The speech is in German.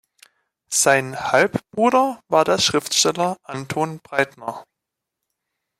Sein Halbbruder war der Schriftsteller Anton Breitner.